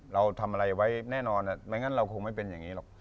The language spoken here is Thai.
เราทำอะไรไว้แน่นอนไม่งั้นเราคงไม่เป็นอย่างนี้หรอก